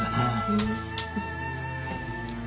うん。